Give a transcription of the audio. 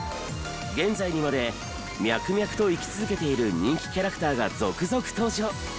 現在にまで脈々と生き続けている人気キャラクターが続々登場！